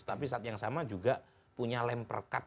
tapi saat yang sama juga punya lem perkat